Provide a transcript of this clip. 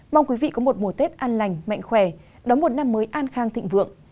mong quý vị có một mùa tết an lành mạnh khỏe đóng một năm mới an khang thịnh vượng